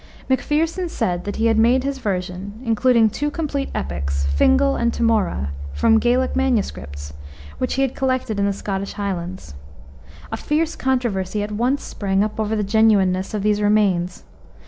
Macpherson said that he made his version including two complete epics, Fingal and Temora, from Gaelic MSS., which he had collected in the Scottish Highlands. A fierce controversy at once sprang up over the genuineness of these remains.